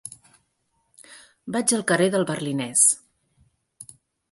Vaig al carrer del Berlinès.